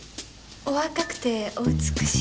お若くてお美しい？